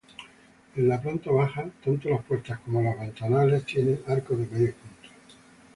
En la planta baja, tanto las puertas como ventanales tienen arcos de medio punto.